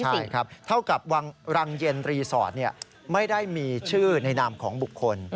ใช่ครับเท่ากับรังเย็นรีสอร์ทไม่ได้มีชื่อในนามของบุคคล